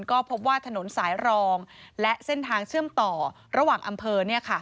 ก็พบว่าถนนสายรองและเส้นทางเชื่อมต่อระหว่างอำเภอ